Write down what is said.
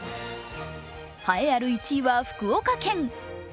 栄えある１位は福岡県。